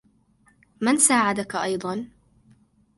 من ساعدك أيضا؟